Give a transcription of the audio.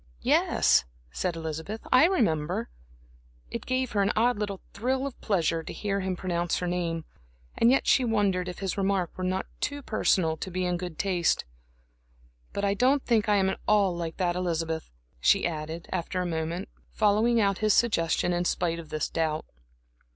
"Yes," said Elizabeth, "I remember." It gave her an odd little thrill of pleasure to hear him pronounce her name, and yet she wondered if his remark were not too personal to be in good taste. "But I don't think I am at all like that Elizabeth," she added, after a moment, following out his suggestion in spite of this doubt.